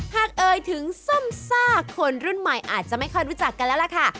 เอ่ยถึงส้มซ่าคนรุ่นใหม่อาจจะไม่ค่อยรู้จักกันแล้วล่ะค่ะ